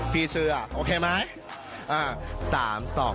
พี่เชื่อโอเคไหม